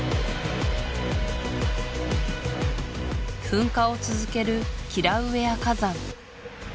噴火を続けるキラウエア火山